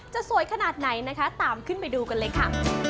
สวยขนาดไหนนะคะตามขึ้นไปดูกันเลยค่ะ